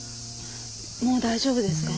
もう大丈夫ですか？